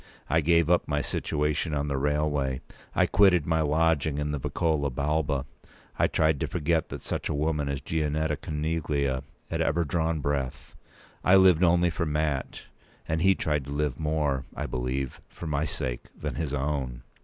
I gave up my situation on the railway; I quitted my lodging in the Vicolo Balba; I tried to forget p. 204that such a woman as Gianetta Coneglia had ever drawn breath. I lived only for Mat; and he tried to live more, I believe, for my sake than his own.